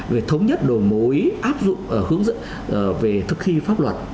về thống nhất đồ mối áp dụng hướng dẫn về thực thi pháp luật